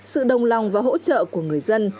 sự đồng lòng và hỗ trợ của người dân